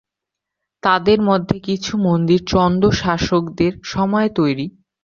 তাদের মধ্যে কিছু মন্দির চন্দ শাসকদের সময়ে তৈরী।